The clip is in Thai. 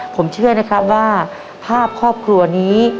ผมเชื่อนะครับว่าภาพครอบครัวนี้